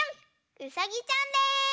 うさぎちゃんです！